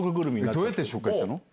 どうやって紹介したの？